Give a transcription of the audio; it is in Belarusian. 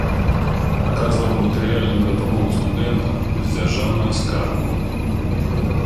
Аказваў матэрыяльную дапамогу студэнтам з дзяржаўнага скарбу.